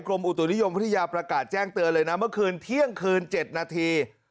อุตุนิยมพัทยาประกาศแจ้งเตือนเลยนะเมื่อคืนเที่ยงคืน๗นาที